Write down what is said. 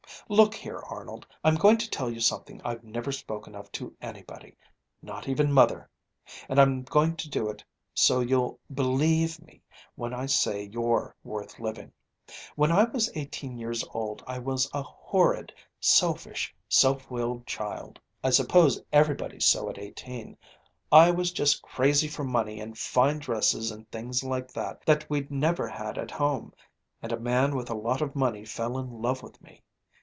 "Look here, Arnold. I'm going to tell you something I've never spoken of to anybody ... not even Mother ... and I'm going to do it, so you'll believe me when I say you're worth living. When I was eighteen years old I was a horrid, selfish, self willed child. I suppose everybody's so at eighteen. I was just crazy for money and fine dresses and things like that, that we'd never had at home; and a man with a lot of money fell in love with me.